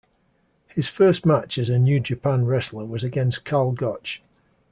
His first match as a New Japan wrestler was against Karl Gotch.